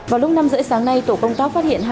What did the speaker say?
vào lúc năm h ba mươi sáng nay tổ công tác phát hiện